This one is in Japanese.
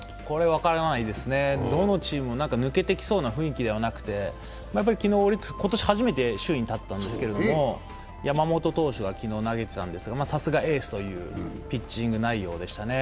分からないですね、どのチームも抜けていきそうな雰囲気ではなくて昨日、オリックス、今年初めて首位に立ったんですけれども、山本投手が昨日投げてたんですが、さすがエースというピッチング内容でしたね。